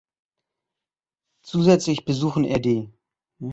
Zusätzlich besuchen rd.